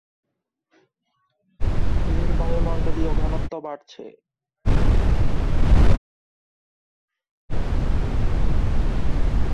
এর বায়ুমণ্ডলীয় ঘনত্ব বাড়ছে।